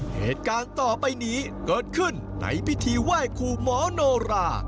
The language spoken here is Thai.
เหตุการณ์ต่อไปนี้เกิดขึ้นในพิธีไหว้ครูหมอโนรา